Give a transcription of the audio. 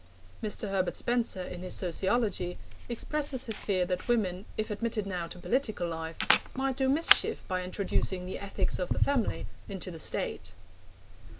Mr. Herbert Spencer, in his Sociology, expresses his fear that women, if admitted now to political life, might do mischief by introducing the ethics of the family into the State.